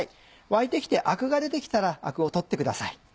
沸いて来てアクが出て来たらアクを取ってください。